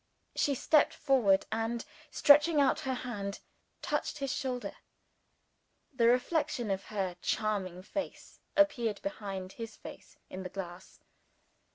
She stepped forward, and, stretching out her hand, touched his shoulder. The reflection of her charming face appeared behind his face in the glass.